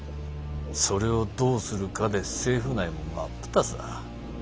それをどうするかで政府内も真っ二つだ。